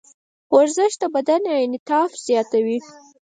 ورزش د بدن انعطاف زیاتوي.